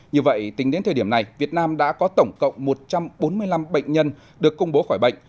như vậy tính đến thời điểm này việt nam đã có tổng cộng một trăm bốn mươi năm bệnh nhân được công bố khỏi bệnh